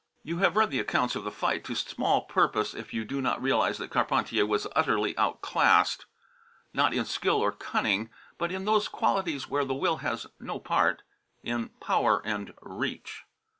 You have read the accounts of the fight to small purpose if you do not realize that Carpentier was utterly outclassed not in skill or cunning, but in those qualities where the will has no part, in power and reach.